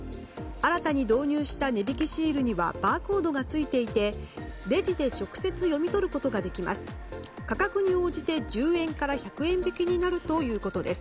新たに導入した値引きシールにはバーコードがついていてレジで直接読み取ることができます。